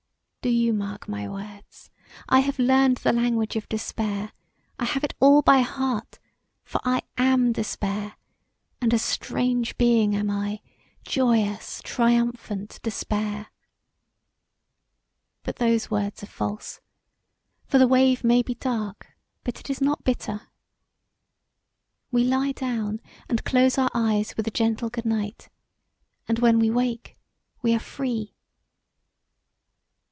[F] "Do you mark my words; I have learned the language of despair: I have it all by heart, for I am Despair; and a strange being am I, joyous, triumphant Despair. But those words are false, for the wave may be dark but it is not bitter. We lie down, and close our eyes with a gentle good night, and when we wake, we are free.